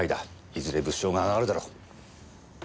いずれ物証があがるだろう。